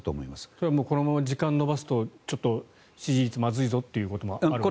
それはこのまま時間を延ばすと支持率がまずいぞということもあるんですか？